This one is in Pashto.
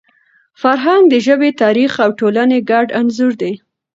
فرهنګ د ژبي، تاریخ او ټولني ګډ انځور دی.